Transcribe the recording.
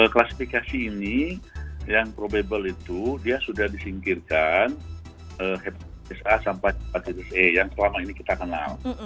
klasifikasi ini yang probable itu dia sudah disingkirkan hepatitis a sampai hepatitis e yang selama ini kita kenal